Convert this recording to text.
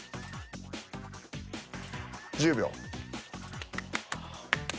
１０秒。